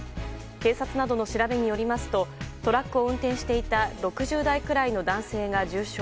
警察などの調べによりますとトラックを運転していた６０代くらいの男性が重傷。